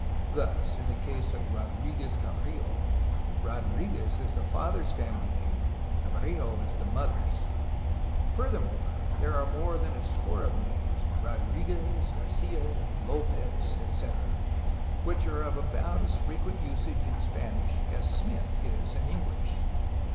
Thus, in the case of ''Rodriguez Cabrillo,'' ''Rodriguez'' is the father's family name and "Cabrillo" the mother's. Furthermore, there are more than a score of names ("Rodri guez," "Garcfa," "L6pez," etc.), which are of <. about as frequent usage in Spanish as "Smith" is in English.